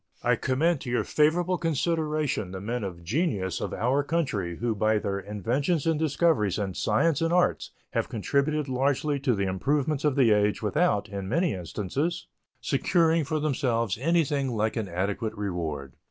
I commend to your favorable consideration the men of genius of our country who by their inventions and discoveries in science and arts have contributed largely to the improvements of the age without, in many instances, securing for themselves anything like an adequate reward.